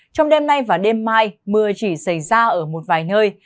trong đêm nay và đêm mai mưa chỉ xảy ra ở một vài nơi